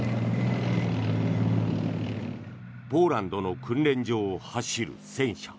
ポーランドの訓練場を走る戦車。